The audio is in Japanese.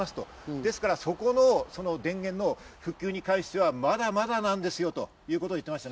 ですからそこの電源の復旧に関しては、まだまだなんですよということを言っていました。